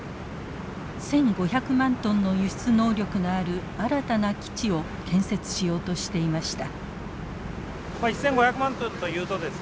１，５００万トンの輸出能力のある新たな基地を建設しようとしていました。